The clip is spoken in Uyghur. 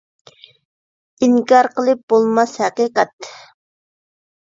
ئىنكار قىلىپ بولماس ھەقىقەت!